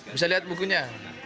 bisa lihat bukunya